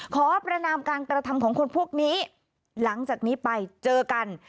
ขอประนามการกระทำของคนพวกนี้หลังจากนี้ไปเจอกัน